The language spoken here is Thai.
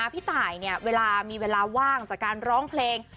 พี่ตายเวลามีเวลาว่างจากการร้องเพลง